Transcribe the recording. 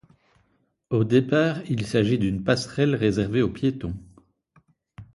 Au départ il s'agit d'une passerelle réservée aux piétons.